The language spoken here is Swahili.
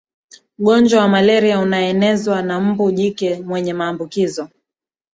ugonjwa wa malaria unaenezwa na mbu jike mwenye maambukizo